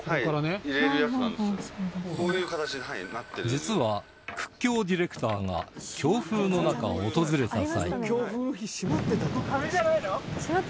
実は屈強ディレクターが強風の中訪れた際